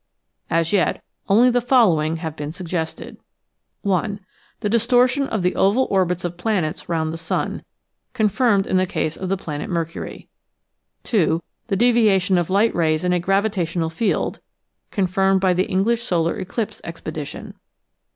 As yet only the following have been suggested :— 1. The distortion of the oval orbits of planets round the sun (confirmed in the case of the planet Mercury). 2. The deviation of light rays in a gravitational field (confirmed by the English Solar Eclipse expedition).